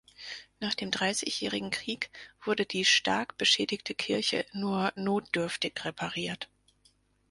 Nach dem Dreißigjährigen Krieg wurde die stark beschädigte Kirche nur notdürftig repariert.